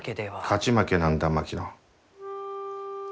勝ち負けなんだ槙野。